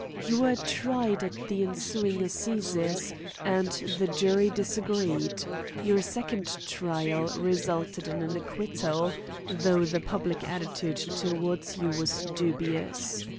"You were tried at the ensuing Assizes, and the jury disagreed. Your second trial resulted in an acquittal, though the public attitude towards you was dubious.